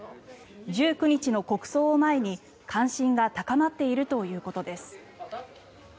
１９日の国葬を前に関心が高まっているということです。